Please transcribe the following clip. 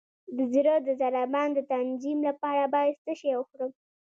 د زړه د ضربان د تنظیم لپاره باید څه شی وخورم؟